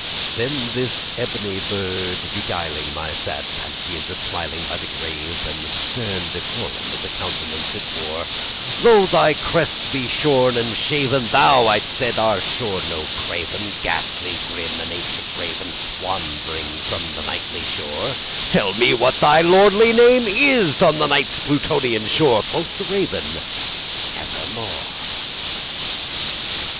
Then this ebony bird beguiling my sad fancy into smilingBy the grave and stern decorum of the countenance it wore,—"Though thy crest be shorn and shaven, thou," I said, "art sure no craven, Ghastly grim and ancient Raven wandering from the Nightly shore:Tell me what thy lordly name is on the Night's Plutonian shore!"Quoth the Raven, "Nevermore."